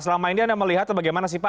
selama ini anda melihat bagaimana sih pak